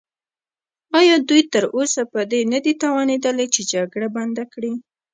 ایا دوی تراوسه په دې نه دي توانیدلي چې جګړه بنده کړي؟